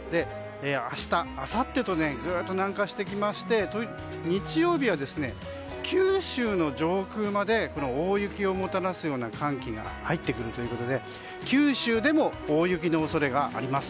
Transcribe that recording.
明日、あさってとぐっと南下して日曜日は九州の上空まで大雪をもたらすような寒気が入ってくるということで九州でも大雪の恐れがあります。